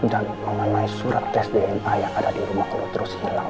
dan mengenai surat tes dna yang ada di rumah gue terus hilang